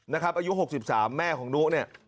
นะครับอายุ๖๓แม่ของนุ